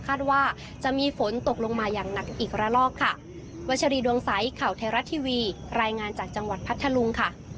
ว่าจะมีฝนตกลงมาอย่างหนักอีกระลอกค่ะวัชรีดวงใสข่าวไทยรัฐทีวีรายงานจากจังหวัดพัทธลุงค่ะ